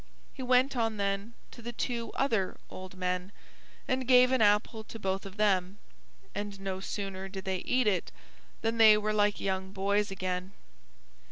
He went on then to the two other old men, and gave an apple to both of them, and no sooner did they eat it than they were like young boys again.